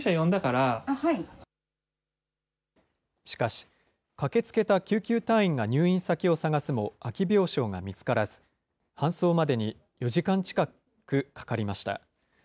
しかし、駆けつけた救急隊員が入院先を探すも空き病床が見つからず、搬送までに４時間近くかかりました。